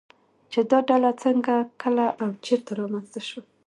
چې دا ډله څنگه، کله او چېرته رامنځته شوه